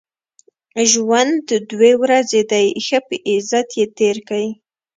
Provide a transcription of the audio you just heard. ژوند دوې ورځي دئ؛ ښه په عزت ئې تېر کئ!